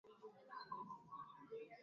a ambalo linasalia na kusubiriwa kwa hamu